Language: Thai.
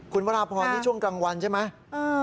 คุณวราพรนี่ช่วงกลางวันใช่ไหม